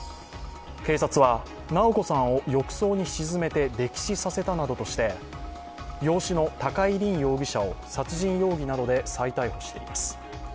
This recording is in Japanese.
警察は、直子さんを浴槽に沈めて溺死させたなどとして養子の高井凜容疑者を殺人容疑などで再逮捕しています。